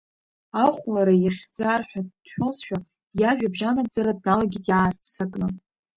Ахәлара ихьӡар ҳәа дшәозшәа, иажәабжь анагӡара дналагеит иаарццакны…